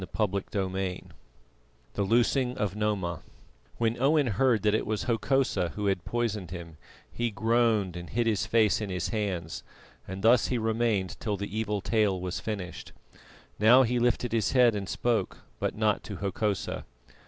CHAPTER XVII THE LOOSING OF NOMA When Owen heard that it was Hokosa who had poisoned him, he groaned and hid his face in his hands, and thus he remained till the evil tale was finished. Now he lifted his head and spoke, but not to Hokosa.